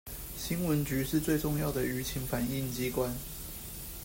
新聞局是最重要的輿情反映機關